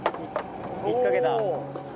引っかけた。